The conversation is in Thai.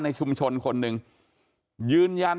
สวัสดีคุณผู้ชายสวัสดีคุณผู้ชาย